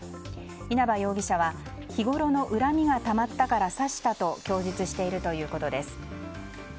稲葉容疑者は、日ごろの恨みがたまったから刺したと供述しているということです。